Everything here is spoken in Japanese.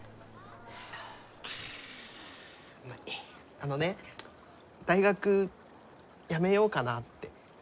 あのね大学やめようかなって。